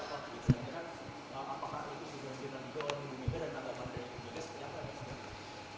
apakah itu sudah dikawal dari ibu megawati dan pak raka raui juga setiap hari